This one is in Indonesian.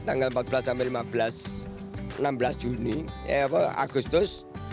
tanggal empat belas sampai lima belas enam belas juni agustus